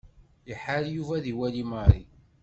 Iḥar Yuba ad iwali Mary.